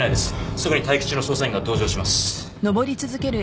すぐに待機中の捜査員が同乗します。